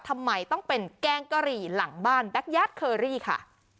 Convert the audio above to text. ทำไมต้องเป็นแกงกะหรี่หลังบ้านแก๊กยัดเคอรี่ค่ะ